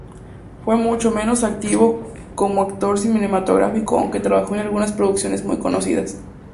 Fue mucho menos activo como actor cinematográfico, aunque trabajó en algunas producciones muy conocidas.